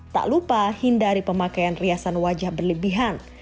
tak lupa hindari pemakaian riasan wajah berlebihan